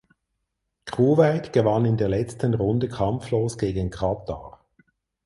Kuwait gewann in der letzten Runde kampflos gegen Katar.